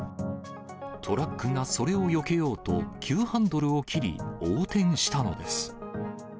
トラックがそれをよけようと、急ハンドルを切り、横転したのです。